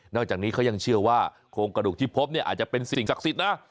อกจากนี้เขายังเชื่อว่าโครงกระดูกที่พบเนี่ยอาจจะเป็นสิ่งศักดิ์สิทธิ์นะ